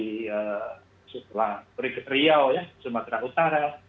di setelah riau ya sumatera utara